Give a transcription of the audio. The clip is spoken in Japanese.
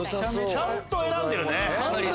ちゃんと選んでるね。